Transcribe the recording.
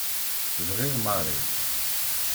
Bɣiɣ Mary.